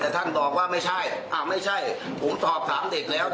ท่านออกจากพื้นที่แล้วขอให้คณะกรรมการสอบสวน